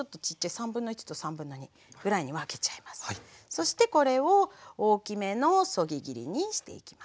そしてこれを大きめのそぎ切りにしていきますよ。